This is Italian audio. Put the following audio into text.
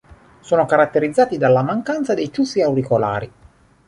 Sono caratterizzati dalla mancanza dei ciuffi auricolari.